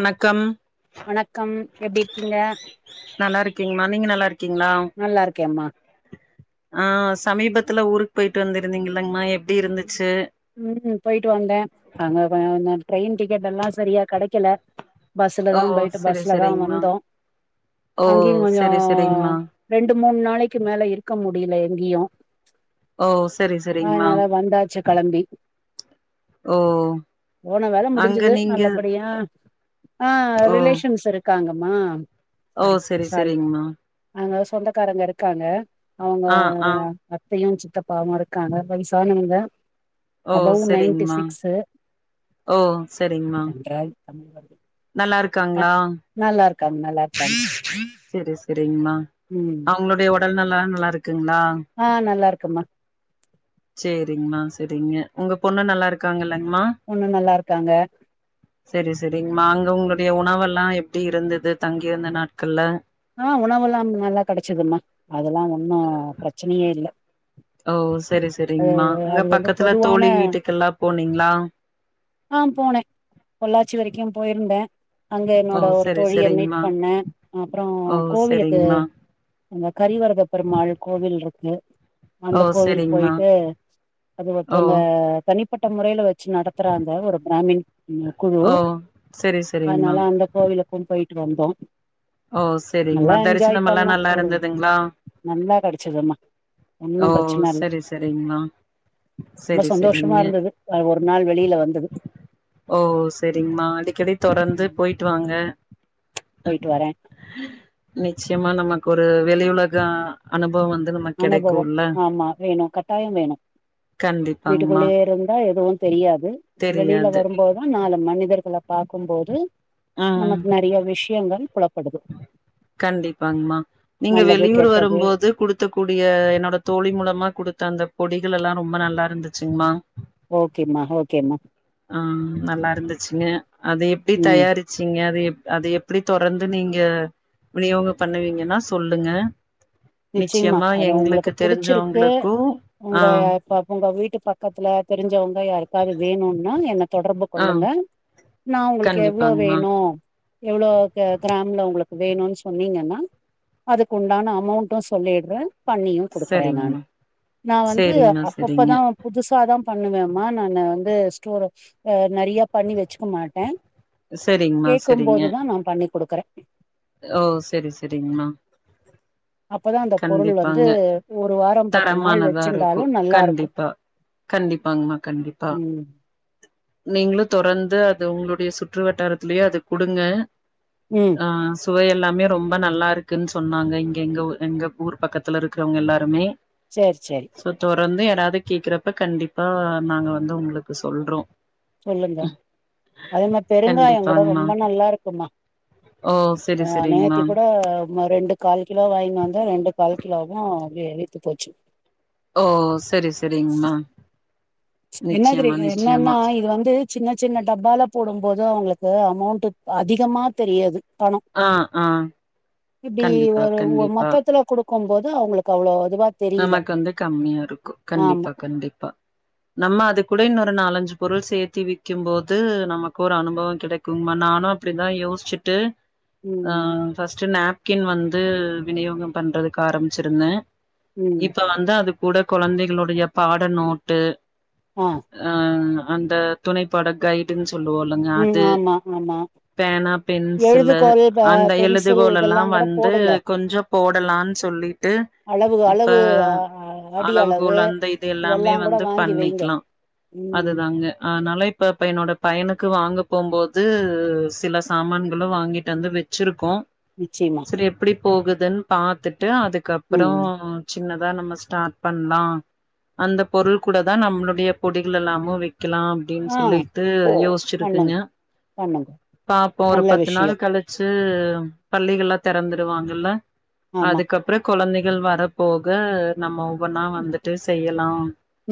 வணக்கம் வணக்கம் எப்டி இருக்கீங்க கிங்களா நீங்க நல்லா இருக் கீங்களா நல்லா இருக்கேம்மா ஆ சமீபத்தல ஊருக்கு போயிட்டு வந்திருதீங்கல்லமா எப் உம் போயிட்டு வந்தே அங்க ட்ரெயின் டிக்கெட் எல்லா செரியா கெடைக்கல பஸ்ல தா ஓ போயிட்டு செரி பஸ்ல தா செரிங்கமா வந்தோ ஓ அங்கேயும் கொஞ்சோ செரி செரிங்கமா ரெண்டு மூனு நாளைக்கு மேல இருக்க முடியல முடியும் ஓ சரி சரிங்கமா ஆச்சு கெளம்பி போன வேல அங்க முடிஞ்சது நீங்க நல்லபடியா ஆ ஓ ரிலேஷன்ஸ் இருக்க தாங்கம்மா ஓ செரி செரிங்கமா அங்க சொந்தக்காரங்க இருக்காங்க அவங்க ஆ ஆ அத்தையும் வ பாவமா இருக்காங்க வயசானவங்க ஓ அபவ் செரிங்க நைன்டி மா சிக்ஸு ஓ செரிங்க மா நன்றாய் தமிழ் வருது நல்லா இருக்காங்களா நல்லா இருக்காங்க நல்லா இருக்காங்க செரி செரிங்க மா ம் அவங்களுடைய எல்லா நல்லா இருக்கு இருங்களா மா செரிங்கமா செரிங்க உங்க பொண்ணு நல்லா இருக்காங்கல்ல பொண்ணு நல்லா இருக்காங்க செரிங்கமா அங்க உங்களுடைய உணவெல்லாம் எப்படி இருந்தது தங்கியிருந்த நாட்கள்ல ஆஹ உணவுெல்லாம் நல்லா கிடைச்சிதுமா அதெல்லாம் ஒன்னும் பிரச்சனையே இல்லை ஓ சரி சரிங்கமா அங்க அது வந்து பக்கத்துல பொதுவான தோழி வீட்டுக்கெல்லாம் போனீங்களா ஆ போனே பொள்ளாச்சி வரைக்கு போயிருந்தே அங்க என்னோட ஒரு தோழிய மீட் பண்னேன் ஓ கோவிலுக்கு செரிங்மா இந்த ஹரிவரத பெருமாள் கோவில் பீ ல் இருக்கு ஓ அந்த கோவில் செரிங்மா போயிட்டு அது ஓ ஒருத்தவங்க தனி ப்பட்ட முறைல்ல வச்சு நடத்துறாங்க ஒரு பிராமின் குழு ஓ செரி செரிங்மா அதனால அந்த கோவிலுக்கும் போயிட்டு வந்தோம் ஓ செரிங்கமா தரிசனம் எல்லாம் நல்லா ஒரு இருந்ததுங்களா நல்லா கெடச்சதும்மா ஓ ஒன்னு பிரச்சன இல்ல செரி செரிங்க மா ரொம்ப செரி சந்தோஷமா செரிங்க இருந்தது அஹ் ஒரு நாள் வெளியில வந்தது ஓ செரிங்கமா அடிக்கடி தொடர்ந்து ம், போயிட்டு வாங்க போயிட்டு வரேன் நிச்சயமா நமக்கு ஒரு வெளி உலகம் அனுப அனுபவம் ஆமா வேணும் கட்டாயம் வேணும் கண்டிப்பாங்மா வீட்டுக்குள்ளயே இருந்தா எதுவும் தெரியாது வெளியில தெரியாது வரும்போதுதான் நாளை மனிதர்கள பார்க்கும் போது ம் நமக்கு நெறையா விஷ் யங்கள் குழப் கண்டிப்பாங்மா நீங்க நல்லது வெளியூர் கெட்டது வரும்போது குடுத்த கு கூடிய என்னோட தோழி மூலமா குடுத்த அந்த பொடிகளலலா ரொம்ப நல்லா இருந்துச்சுங்கமா ஓகேம்மா ஓகேம்மா ஆ நல்லா இருந்துச்சுங்க அது எப்டி ம் தயாரிச்சிங்க அது எப் அது எப்டி தொடர்ந் ந்து நீங்க விநியோகோ பண்ணுவீங்கனா சொல்லுங்க நிச்சியமா நிச்சயமா அது உங்களுக்கு எங்களுக்கு புடிச்சிருக்கு தெரிஞ்சவங்களுக்கு ஆ உங்க உங்க வீட் வீட்டு பக்கத்துல தெரிஞ்சவங் யாருக்காவது வேணும்னா என்ன தொடர்பு ஆ கொள்ளுங்க நா உங்களுக்கு எவ்லோ கண்டிப்பாங்மா வேணு எவ்ளோ கிராம்ல உங்களுக்கு வேணும்னு சொன்னீங்கன்னா அதுக்கு உண்டான அமௌண்ட் டோ சொல்லிட்றே பண்ணியு குடுக்குறே நானு சரிங்மா நா வந்து சரிங்மா சரிங்க அப்பப்பதா புதுசாதா பண்ணுவேமா நானு வந்து ஸ்டோர் நறைய பண்ணி வச்சுக்க மாட்டே சரிங்மா சரிங்க கேக்கும்போதுதா நா பண்ணி குடுக்குறே ஓ சேரி சேரிங்கமா அப்பதா அந்த பொருள் வந்து ஒரு வாரோ பத்து நாள் தரமானதா இருக்கு வச்சுந்தாலு நல்லா இருக்கு கண்டிப்பா உ நீங்கலோ தொடர்ந்து அது உங்களுடைய சுற்று வட்டாரத்திலயே அது குடுங்க ம் ஆ சுவை எல்லாமே ரொம்ப நல்லா இருக்குன்னு சொன்னாங்க இங்க எங்க ஊர் எங்க ஊர் பக்கத்துல இருக்குறவங்க எல்லாருமே சேரி சேரி சோ தொடர்ந்து ஏ தாது கேக்குறப்ப கண்டிப்பா நாங்க வந்து உங்களுக்கு சொல்றோ சொல்லுங்க அதே மாரி பெருங்காயயோ கூட கண்டிப்பாங்மா ரொம்ப நல்லா இருக்குமா ஓ செரி செரிங்மா நேத்தி கூட ரெண்டு கால் கிலோ வாங்கின் வந்து தா ரெண்டு கால் கிலோவு அ எலுத்து போச்சு ஓ செரி செரிங்கமா என்னதெரி என்னன்னா இது வந்து சின்ன சின்ன டப்பால போடும் ம்போது அவங்களுக்கு அமௌண்ட் அதிகமா தெரியாது பநோ ஆ ஆ இப்டி கண்டிப்பா ஒரு கண்டிப்பா மொத்தத்துல கொடு க்கும்போது அவங்களுக்கு அவ்ளோ இதுவா தெரியல நமக்கு வந்து கம்மியா இருக்கு ஆமா கண்டிப்பா கண்டிப்பா நம்ம அது கூட இன்னொரு நாலஞ்சு பொருள் சேத்திவிக்கு போது நமக்கு ஒரு அனுபவோ கிடைக்குமா நானு அப்பிடிதா யோசிச்ட்டு ஆ ம் ஃபஸ்ட் நேப் க்கின் வந்து விநியோகோ பண்றதுக்காரம்பிச்சுருத்த ம் இப்ப வந்தா அது கூட கொழந்தைகளுடைய பாட நோட்டு ஆ அந்த துணைப்பாட கைடன்ஸ் சொல்லுவளுங்க ம் அது ஆமா ஆமா பேனா பென்சிலு எழுதுகோல் ப அந்த பென்சில் எழுதுகோள்ல்லா இதெல்லா கூட வந்து போடுங்க கொஞ்சோ போடலா சொல்லிட்டு அளவு இப்ப அளவு அ அ அடி அளவு அளவுகோல் அந்த இது எல்லாமே இதெல்லா கூட வந்து வாங்கி வைங்க பண்ணிக்கலா ம் அதுதாங்க அனால இப்ப இப்ப என்னோட பையனுக் க்கு வாங்க போம்போது சில சாமான்களு வாங்கிட்டந்து வச்சுருக்கோ நிச்சயமா சரி எப்பிடி போகு தென் பாத்து ட்டு அதுக்கப்புறோ ம் சின்னதா நம்ம ஸ்டார்ட் பண்லா அந்த பொருள் கூடதா நம்ளுடைய பொடிகள் எல்லாமு க்கிலா அப்பிடின் ஆ சொல்லிட்டு பண்ணுங்க யோசிச்ருக்குங்க பண்ணுங்க பாப்போ ஒரு நல்ல பத்து நாள் விஷயம் கழிச்சி தம் பள்ளிகள்ல்லா தெறந்துருவாங்கல ஆமா அதுக்கப்புறோ கொழந்தை கில் வரப் போக நம்ம ஒவ்வொன்னா வந்துட்டு செய்யலா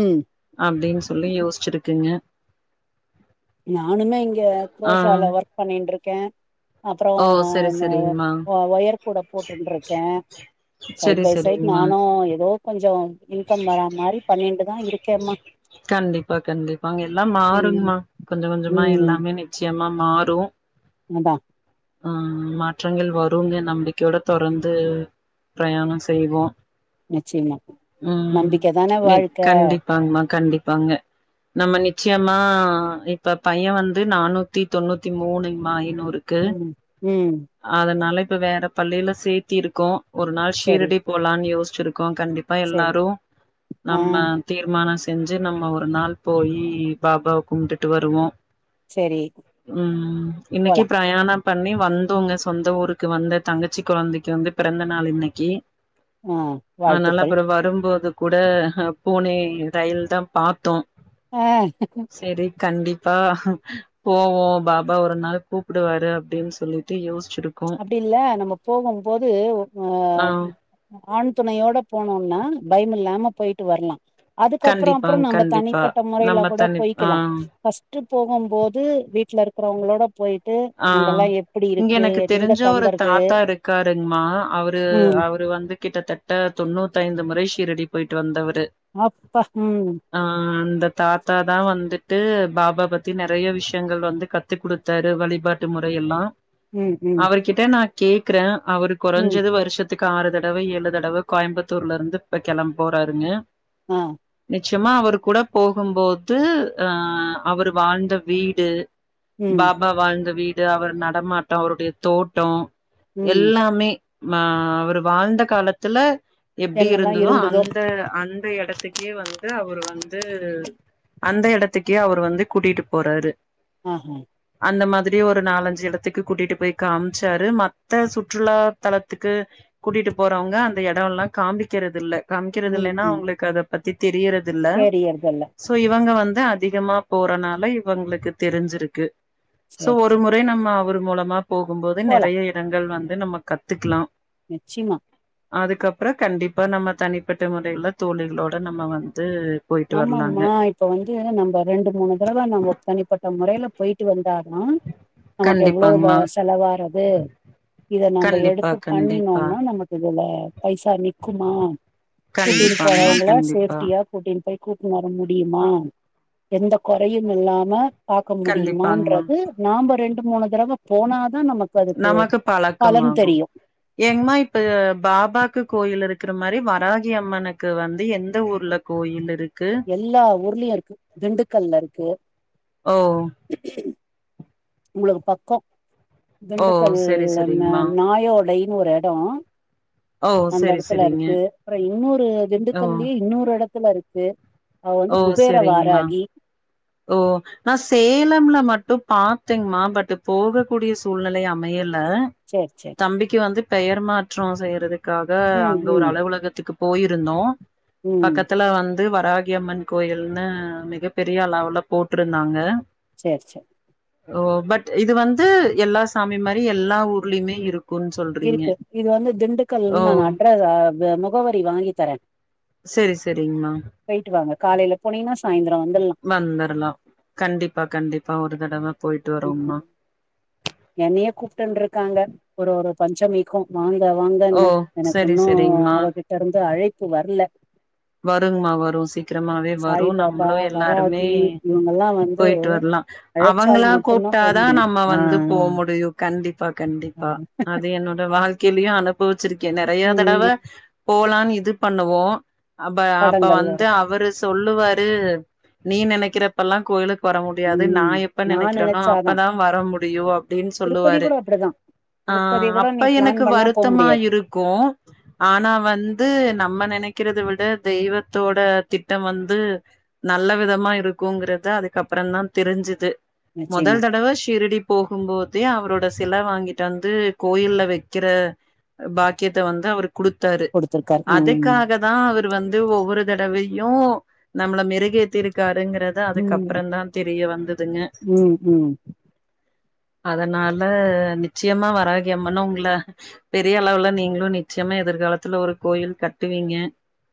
ம் அப்பிடின் சொல்லி யோசிச்சிருக்குங்க நானுமே இங்க ஆ. க்ரோஷால ஒர்க் பண்ணின்டுருக்கே அப்புறோ ஓ சரி சரிங்கம்மா ஒயர் கூட போட்டுன்டுருக்கே சைட் சரி பை சை சரிங்கம்மா நானு ஏதோ கொஞ்சோ இன்கம் வரா மாரி பண்ணின்டுதா இருக்கேம்மா கண்டிப்பா கண்டிப்பாங்க எல்லா ம் மாறுங்மா கொஞ்ச கொஞ்சமா ம் எல்லாமே நிச்சியமா மாறு அதா ஆ மாற்றங்கள் வருங்க நம்பிக்கயோட தொரந்து பிரயாணோ செய்வோ நிச்சயமா ம் நம்பிக்க தான எ வாழ்க்க கண்டிப்பாங்மா கண்டி ப்பாங்க நம்ம நிச்சியமா இப்ப பைய வந்து நானூத்தி தொண்ணூத்தி மூணுங்மாப் நூறுக்கு ம் ம் அதனால இப்ப வேற பள்ளில சேத்தி இருக்கோ ஒரு நாள் செரி ஷீரடி போ ங்கயோஸ்சிரு கோ கண்டிப்பா செரி எல்லாரு ஆ நம்ம தீர்மான செ செஞ்சு நம்ம ஒரு நாள் போயி பாபாவ கும்டுட்டு வருவோ செரி உ இன்னைக்கி போலா பிரயாணம் பண்ணி வந்தோங்க சொந்த ஊருக்கு வந்த தங்கச்சி கொழந்தைக்கு வந்து பெறந்த நாள் இன்னைக்கு ஆ ஆனால வாழ்த்துக்கள் அப்பற வரும்போது கூட போனே ரயில் தா பாத்தோ ஆ செரி கண்டிப்பா போவோ பாபா ஒரு நாள் கூப்பிடுவாரு அப்டின்னு சொல்லிட்டு யோஸ் அப்டி இல்ல நம்ம போவம்போது ஒர்தங்க ஆ ஆண் துணையோட போனோம்னா பயமில்லாம போயிட்டு வரலா அதுக்கப்பறோ அப்பறோ கண்டிப்பாங், நம்ம கண்டிப்பா. தனிப்பட்ட முறையில நம்ம கூட தனி ஆ, போய்க்கிலா ஃபஸ்ட்டு போகும்போது வீட்டுல இருக் அப்பறோ உங்களோட போயிட்டு ஆ. அங்கெல்லா எப்படி இங்க இருக்கு எனக்கு எங்க தெரிஞ்ச ஒரு தங்கறது தாத்தா இருக்காருங்கமா அவரு ம் அவரு வந்து கிட்டத்தட்ட தொண்ணூத்தைந்து மண ரை சீரடி போயிட்டு வந்தவர் டு அப்பா ம் ஆ அந்த தாத்தாதா வந்துட் ட்டு பாபா பத்தி நறையா விஷயங்கள் வந்து கத்து குடுத்தாரு வழி பாட்டு முறை எல்லா ம் ம் அவரு கிட்ட நா கேக்குறே அவரு ம் கொறைஞ்சது வருஷத் த்துக்கு ஆறு தடவ ஏழு தடவ கோயம்புத்தூர்ல இருந்து இப்ப கிளம்ப போறாருங்க ஆ ச்சயமா அவர் கூட போகும்போது அ அவரு வாழ்ந்த வீடு ம் பாபா வாழ்ந்த வீடு அவர் நடமாட்டோ அவருடைய தோட்டோ ம் எல்லாமே மா அவரு வாழ்ந்த காலத்துல எப்டி இருந்ததோ அந்த அந் து எடத்துக்கே வந்து அவரு வந்து அந்த எடத்துக்கே அவரு வந்து கூட்டிட்டு போறறு ஆ ஹ அந்த மாதிரி அப்டியே ஒரு நாலஞ்சு எடத்துக்கு கூட்டிகிட்டு போய் காமிச்சாரு மத்த சுற்றுலா தலத்துக்கு கூட்டிட்டு போறவங்க அந்த இடெல்லா காமிக்கிறது இல்ல காமிக்கிறது ம் இல்லன்னா ம் உங்களுக்கு அத பத் [unintelligible] தெரியறது தில்ல தெரியறதல்ல சோ இவுங்க வந்து த அதிகமா போறனால இவுங்களுக்கு தெரிஞ்சிருக்கு சோ சேரி ஒரு சேரி முறை நம்ம அவரு மூலமா போகும்போது போலா நெறய இடங்கள் வந்து நம்ம கத்துக்கலாம் நிச்சியமா அதுக்கப்புற கண்டிப்பா நம்ம தனிப்பட்ட முறையில தோழிகளோட நம்ம வந்து போயிட்டு ஆமாமா வரலாங்க இப்ப வந்து நம்ம ரெண்டு மூனு தடவ நம்ம தனிப்பட்ட முறையில போயிட்டு வந்தா ஆ நமக்கு எவ்வளவு கண்டிப்பாங்மா செலவா இரு ஏ இத நம்ம கண்டிப்பா எடுத்து கண்டிப்பா பண்ணினோனா நமக்கு இல்ல பைசா நி்க்குமா கூட்டிட்டு கண்டிப்பாங்மா போறவங்கள கண்டிப்பா சேஃப்டியா கூட்டினு கூட்டுனு வர முடியுமா எந்த கொறையும் இல்லாம பாக்க கண்டிப்பாங்மா முடியுமான்றது நாம ரெண்டு மூனு தடவ போனா நமக்கு பழக்கம் ஆகும் தெரியு ஏங்கமா இப்ப பாபாக்கு கோயில் இருக்கு இருக்ற மாரி வராகி அம்மனுக்கு வந்து எந்த ஊர்ல கோயில் இருக்கு எல்லா ஊர்லயு இருக்கு திண்டுக்கல்ல இருக்கு ஓ உங்களுக்கு பக்கம் ஓ திண்டுக்கல் செரி செரிங்மா நாயோடை இன்னோரு எடோ ஓ அந்த செரி இடத்ல செரிங்க இருக்கு அப்றோ இன்னொரு ஓ திண்டுக்கல்லயே இன்னொரு எடத்துல த்துல இருக்கு அவ வந்து ஓ குபேர செரிங்மா வாரகி ஓ நான் சேலம்ல மட்டும் பத்தேங்கமா பட் போகக்கூடிய சூழ்நிலை அமையல அஹ் சேர் சேர் தம்பிக்கு வந்து பெயர் மா கிளோஸ் செய்யறது க்காக ம் அங்க ஒரு ம் அலுவலகத்துக்கு போயிருந்தோம் ம் பக்கத்துல வந்து வராகியம்மன் கோயில்னு மிகப்பெரிய அளவுல போட்டிருந்தாங்க சேர் சேர் ஓ பட் இது வந்து எல்லா சாமி மாரி எல்லா ஊர்லயுமே இருக்கு இருக்கு இது வந்து திண்டுக்கல்னு ஓ நான் அட்ர முகவரி வாங்கி தரேன் செரி செரிங்மா போயிட்டு வாங்க காலையில போனீங்கன்னா சாயந்திரம் வந்துடலாம் ஆஹ கண்டிப்பா கண்டிப்பா ஒரு தடவை போயிட்டு வரோம்னா ம் என்னையே கூப்டின்று இருக்காங்க ஒரு ஒரு பஞ்சமிக்கு வாங்க ஓ வாங்கன்னு எனக்கு செரி இன்னும் செரிங்மா அவகிட்ட இருந்து அழைத் இப்போ வரல வருமா வரும் சீக்கிரமாவே வரும் சாய்பாபா நம்முளும் எல்லாருமே வராகி இவங்கல்லா வந்து போயிட்டு வரலாம் அழைச்சால் அவுங்களா மட்டும்தா போ கூப்பிட்டாதா முடியு நம்ம ஆ வந்து போ முடியும் ஐயோ கண்டிப்பா கண்டிப்பா அது என்னோட வாழ்க் கேள்விக்யே கல போ வச்சிருக்கேன் நெறைய தடவ ம் போலான்னு இது பண்ணுவோம் அப்ப அப்ப தடங்கள் வந்து வரு அவரு சொல்லுவாரு நீ நெனைக்கிறப்பல்லாம் கோயிலுக்கு வர முடியாது ம் நான் எப்ப நா நெனைக்கிறோனோ நெனைச்சாதா அப்பதான் வர முடியும் அப்பிடின்னு திருப்பதி சொல்லுவாரு கூட அப்படிதா ஆஹ திருப்பதி கூட நீ அப்ப பிளான் எனக்கு பண்ணா போ வருத்தமா முடியாது இருக்கும் ஆனா அப்போ வந்து நம்ம நினைக்க இருக்கிறது தெய்வத்தோட திட்டம் வந்து நல்ல விதமா இருக்குங்கறத அதுக்கப்புற தா தெரிஞ்சுது முதல் நிச்சயமா தடவ ஷிரடி போகும்போதே அவரோட சிலை வாங்கிட்டு வந்து கோயில்ல வைக்கிற பாக்கியத்த வந்து அவுருக்கு குடுத்தாரு குடுத்துருக்காரு ம் அதுக்காக தா அவர் வந்து ஒவ்வொரு தடவையு நம்மள மெருகேத்தி இருக்காருங்க ம் அதுதாஅதுக்கப்பற தா தெரிய வந்ததுங்க ம் ம் அதனால நிச்சயமா வராகியம்மனும் உங்கள பெரிய அளவுல நீங்களும் நிச்சயமா எதிர்காலத்துல ஒரு கோயில் கட்டுவீங்க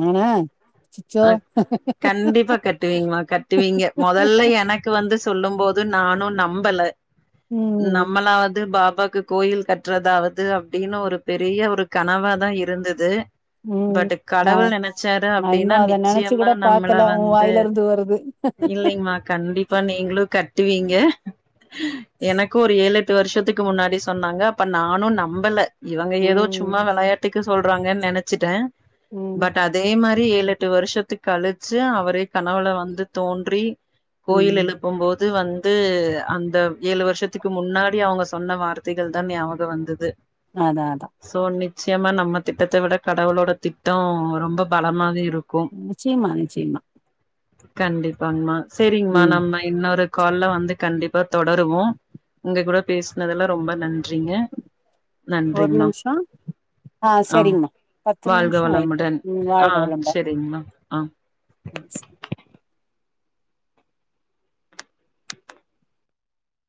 நானா அச்சச்சோ ஆ கண்டிப்பா கட்டுவீங்கள கட்டுவீங்க மொதல்ல எனக்கு வந்து சொல்லும் போ ந்து நானு நம்பல ம் நம்மளாவது பா அப்பாக்கு கோயில் கட்டுறதாவது அப்டின்னு ஒரு பெரிய ஒரு கனவா தா இருந்தது ம் பட் நா கடவுள் எனக் புடிச்சாரு நா இன்னு அப்டின்னா அத நெனச்சு நிச்சயமா கூட நம்மள பாக்கல உ வந்து வாயில இருந்து வருது இல்லைங்கமா கண்டிப்பா நீங்களு க வெட்டுவீங்க எனக்கு ஒரு ஏழு எட் பத்து வருஷத்துக்கு முன்னாடி சொன்னாங்க அப்ப நானு நம்பல இவுங்க ஏதோ ம் சும்மா வெளயாட்டுக் எதுக்கு சொல்றாங்கன் நெனச்சிட்டே ம் பட் அதே மாரி ஏழு எட்டு வருஷத்துக்கு கழிச்சு அவரே கனவுல வந்து தோன்றி கோயில் ம் எழுப்பு போது து வந்து அந்த ஏழு வருஷத்துக்கு முன்னாடி அவுங்க சொன்ன வார்த்தைகள் தா நியாபக வந்தது அதா அதா சோ நிச்சயமா நம்ம திட்டத்த விட கடவுளோட திட்டோ ரொம்ப பலமாவே இருக்கு நிச்சயமா நிச்சயமா கண்டிப்பாங்கமா சேரிங்கமா ம் நம்ம இன்னொரு கால்ல வந்து கண்டிப்பா தொடருவோம் இங்க கூட பேஸ்னதுல்ல ரொம்ப நன் ஒரு நிமிஷ அ ஆ சரிங்ம்மா பத்து வாழ்க நிமிஷ ஆயிருக்கு வளமுடன் ம் ஆ வாழ்க வளமுடன் செரிங்கமா ஆம் ம் ச